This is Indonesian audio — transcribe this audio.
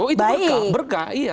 oh itu berkah iya